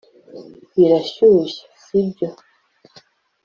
birashyushye , sibyo